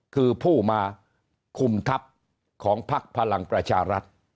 คือผู้มาคุมทัพของพักพลังประชารัฐ